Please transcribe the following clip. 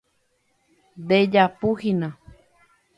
Ndejapuhína.